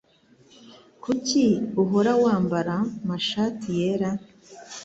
Kuki uhora wambara amashati yera?